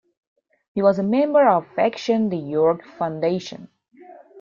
He was a member of faction The York Foundation.